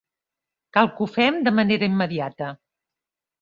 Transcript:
Cal que ho fem de manera immediata.